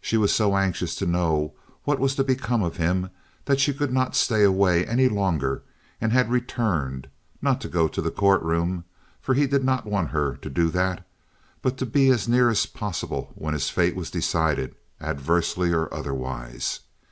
She was so anxious to know what was to become of him that she could not stay away any longer and had returned—not to go to the courtroom, for he did not want her to do that, but to be as near as possible when his fate was decided, adversely or otherwise.